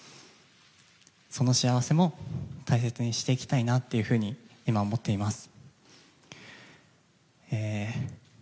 その幸せも、大切にしていきたいなというふうに今、思っています。